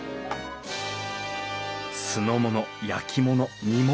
酢の物焼き物煮物。